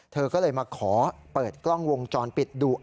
เธอก็เลยมาขอเปิดกล้องวงจรปิดดู